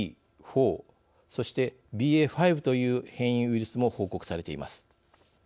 ４そしてＢＡ．５という変異ウイルスも報告されています。